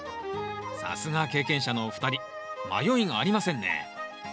さすが経験者のお二人迷いがありませんね。